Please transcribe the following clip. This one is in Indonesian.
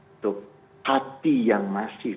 untuk hati yang masih